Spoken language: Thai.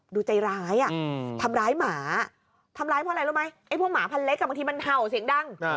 ดูใจร้ายทำร้ายหมาทำร้ายเพราะอะไรรู้ไหมไอ้พวกหมาพันเล็กบางทีมันเห่าเสียงดัง